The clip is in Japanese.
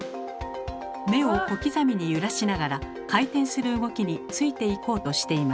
目を小刻みに揺らしながら回転する動きについていこうとしています。